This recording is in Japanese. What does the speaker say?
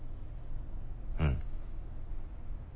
うん。